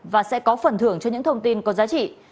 và sẽ có phần thưởng cho những thông tin có giá trị